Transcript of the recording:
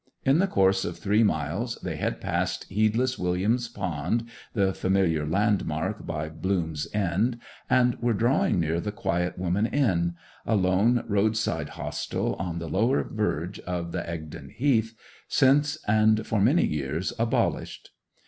In the course of three miles they had passed Heedless William's Pond, the familiar landmark by Bloom's End, and were drawing near the Quiet Woman Inn, a lone roadside hostel on the lower verge of the Egdon Heath, since and for many years abolished.